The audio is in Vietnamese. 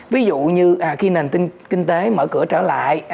ví dụ như khi nền kinh tế mở cửa trở lại